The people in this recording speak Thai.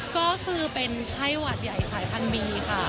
ก็คือเป็นไข้หวัดใหญ่สายพันบีค่ะ